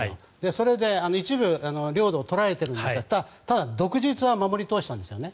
それで一部領土を取られているんですがただ、独立は守り通したんですね。